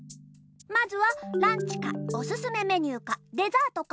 まずはランチかおすすめメニューかデザートか。